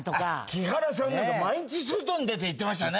木原さんなんか毎日外に出て言ってましたね。